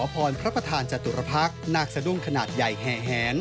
พระธานจตุรพรรคนักสะดุงขนาดใหญ่แหง